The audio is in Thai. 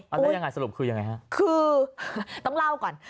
เอาได้ยังไงสรุปคือยังไงครับคือต้องเล่าก่อน